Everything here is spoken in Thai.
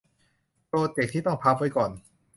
โปรเจกต์ที่ต้องพับไว้ก่อน